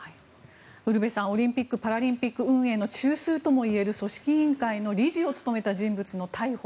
ウルヴェさんオリンピック・パラリンピック運営の中枢ともいえる組織委員会の理事を務めた人物の逮捕。